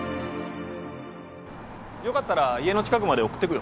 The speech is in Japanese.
よかったら家の近くまで送ってくよ。